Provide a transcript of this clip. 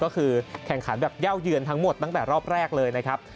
ก็คือแข่งขันแบบเย่าเยือนทั้งหมดตั้งแต่รอบแรกเลยนะครับ